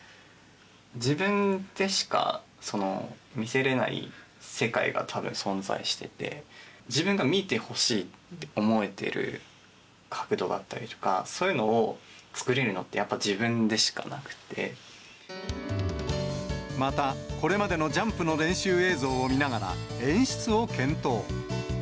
自分でしか見せれない世界がたぶん、存在してて、自分が見てほしいと思えてる角度だったりとか、そういうのを作れるのって、また、これまでのジャンプの練習映像を見ながら、演出を検討。